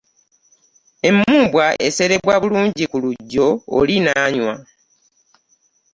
Emmumbwa eserebwa bulungi ku lugyo oli nanywa.